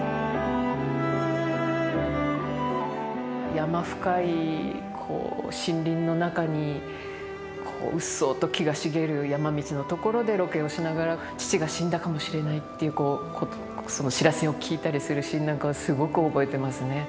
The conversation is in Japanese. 山深い森林の中にこううっそうと木が茂る山道の所でロケをしながら父が死んだかもしれないっていうその知らせを聞いたりするシーンなんかはすごく覚えてますね。